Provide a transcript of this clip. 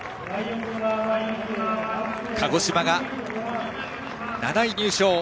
鹿児島が７位入賞。